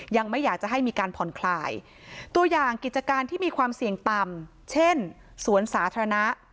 ยังไม่อยากจะให้มีการผ่อนคลายตัวอย่างกิจการที่มีความเสี่ยงต่ำเช่นสวนสาธารณะ